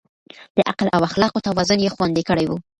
د عقل او اخلاقو توازن يې خوندي کړی و.